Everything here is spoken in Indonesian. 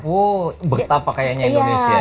boh berapa kayaknya indonesia ya